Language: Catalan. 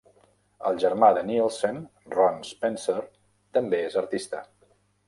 El germà de Nielsen, Ron Spencer, també és artista.